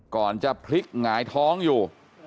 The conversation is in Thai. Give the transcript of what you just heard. ก่อนจะพลิกหงายท้องอยู่